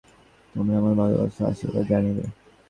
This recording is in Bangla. তোমরা সকলে আমার ভালবাসা ও আশীর্বাদ জানিবে।